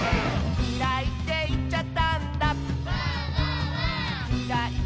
「きらいっていっちゃったんだ」